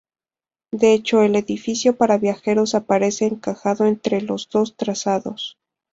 De hecho el edificio para viajeros aparece encajado entre los dos trazados.